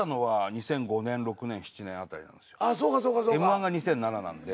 Ｍ−１が２００７なんで。